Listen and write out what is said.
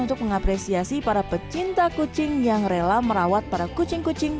untuk mengapresiasi para pecinta kucing yang rela merawat para kucing kucing